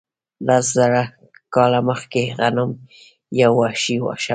لس زره کاله مخکې غنم یو وحشي واښه و.